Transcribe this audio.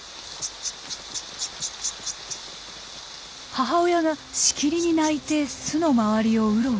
母親がしきりに鳴いて巣の周りをウロウロ。